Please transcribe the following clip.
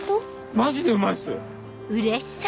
マジでうまいっす。